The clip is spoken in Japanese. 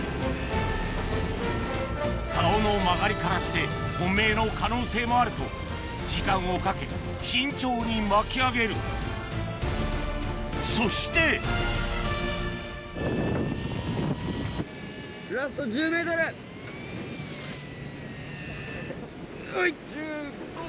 竿の曲がりからして本命の可能性もあると時間をかけ慎重に巻き上げるそしてはい！